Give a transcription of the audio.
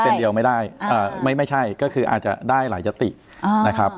เดียวไม่ได้ไม่ใช่ก็คืออาจจะได้หลายยตินะครับ